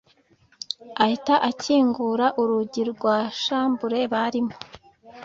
ahita akingura urugi rwa chambure barimo